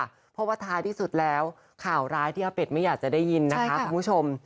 เพราะว่าท้ายที่สุดแล้วข่าวร้ายที่อาเป็ดไม่อยากจะได้ยินนะคะคุณผู้ชม